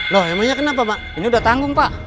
loh emangnya kenapa pak ini udah tanggung pak